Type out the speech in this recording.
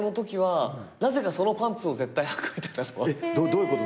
どういうこと？